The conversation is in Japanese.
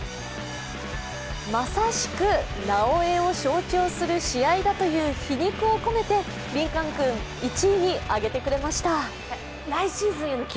まさしくなおエを象徴する試合だという皮肉をこめてリンカーン君、１位に挙げてくれました。